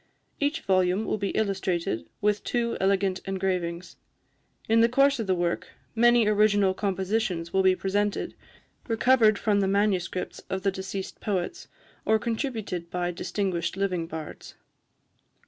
Each volume will be illustrated with two elegant engravings. In the course of the work, many original compositions will be presented, recovered from the MSS. of the deceased poets, or contributed by distinguished living bards.